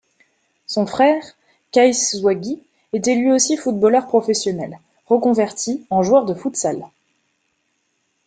Son frère Kais Zouaghi était lui aussi footballeur professionnel, reconverti en joueur de futsal.